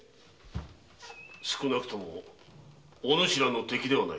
少なくともお主らの敵ではない。